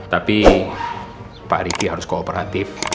tapi pak riki harus kooperatif